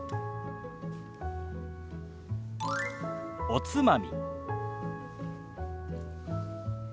「おつまみ」。